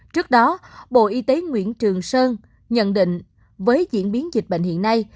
trước đó bộ y tế nguyễn trường sơn nhận định với diễn biến dịch bệnh hiện nay